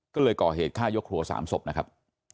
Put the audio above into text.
ก็เลยก่อเหตุฆ่ายกทัวร์สามศพนะครับ